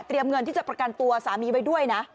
เงินที่จะประกันตัวสามีไว้ด้วยนะ